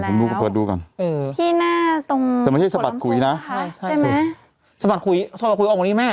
พี่มองดูกันเอ่อพี่น่าตมไม่ใช่สะบัดคุยนะสุดท้ายใช่ใช่ได้มั้ย